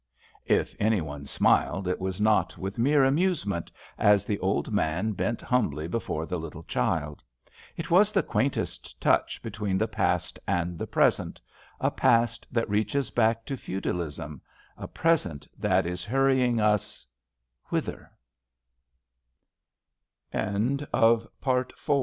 If anyone smiled, it was not with mere amusement, as the old man bent humbly before the little child. It was the quaintest touch between the past and the present, a past that reaches back to feudalism, a pre